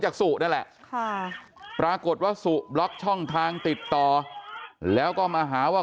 สุนั่นแหละค่ะปรากฏว่าสุบล็อกช่องทางติดต่อแล้วก็มาหาว่า